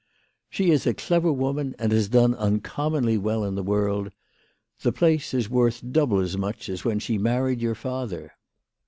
" She is a clever woman, and has done uncommonly well in the world. The place is worth double as much as when she married your father.